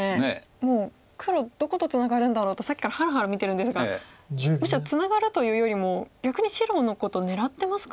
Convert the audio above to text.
もう黒どことツナがるんだろうとさっきからハラハラ見てるんですがむしろツナがるというよりも逆に白のこと狙ってますか？